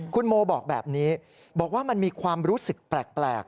คุณโมบอกแบบนี้บอกว่ามันมีความรู้สึกแปลก